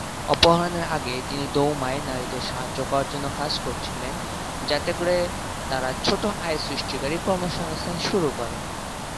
অপহরণের আগে, তিনি দৌমায় নারীদের সাহায্য করার জন্য কাজ করছিলেন যাতে তারা ছোট আয় সৃষ্টিকারী কর্মসংস্থান শুরু করে।